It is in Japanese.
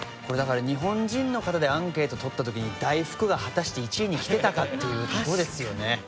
これだから日本人の方でアンケートとった時に大福が果たして１位にきてたかっていうところですよね。